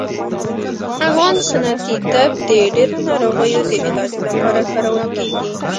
افغان سنتي طب د ډیرو ناروغیو د علاج لپاره کارول کیږي